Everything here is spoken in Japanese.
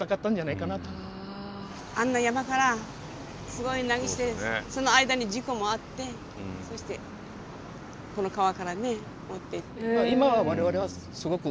あんな山からすごい難儀してその間に事故もあってそしてこの川からね持っていって。